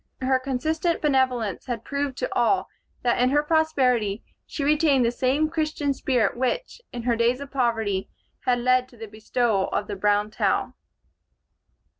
Her consistent benevolence had proved to all that in her prosperity she retained the same Christian spirit which, in her days of poverty, had led to the bestowal of the brown towel.